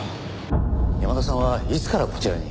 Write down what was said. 山田さんはいつからこちらに？